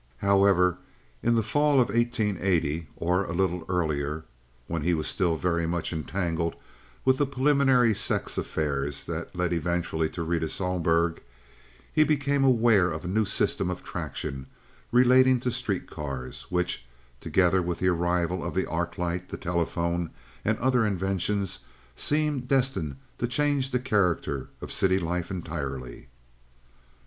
However, in the fall of 1880, or a little earlier (when he was still very much entangled with the preliminary sex affairs that led eventually to Rita Sohlberg), he became aware of a new system of traction relating to street cars which, together with the arrival of the arc light, the telephone, and other inventions, seemed destined to change the character of city life entirely.